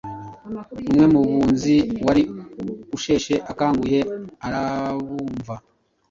Umwe mu bunzi wari usheshe akanguhe arabumva,